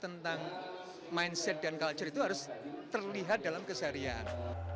tentang mindset dan culture itu harus terlihat dalam keseharian